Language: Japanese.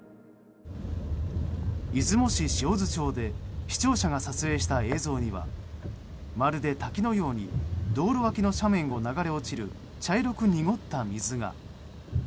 出雲市塩津町で視聴者が撮影した映像にはまるで滝のように道路脇の斜面を流れ落ちる茶色く濁った水が。